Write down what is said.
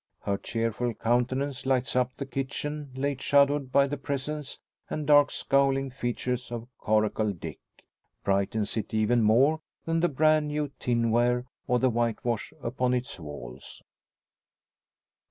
Her cheerful countenance lights up the kitchen late shadowed by the presence and dark scowling features of Coracle Dick brightens it even more than the brand new tin ware or the whitewash upon its walls.